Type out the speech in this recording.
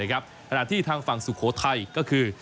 ขณะที่ทางฝั่งสุโขทัยก็คือ